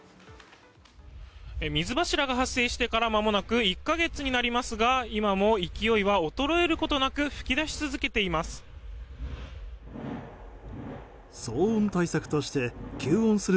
水柱が発生してからまもなく１か月になりますが今も勢いは衰えることなく吹き出し続けています。